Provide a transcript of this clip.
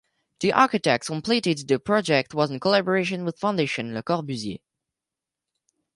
The architects completed the project was in collaboration with Fondation Le Corbusier.